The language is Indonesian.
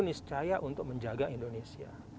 niscaya untuk menjaga indonesia